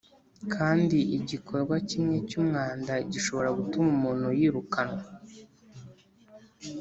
kandi igikorwa kimwe cyumwanda gishobora gutuma umuntu yirukanwa